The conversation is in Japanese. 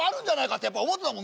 ってやっぱ思ってたもんね。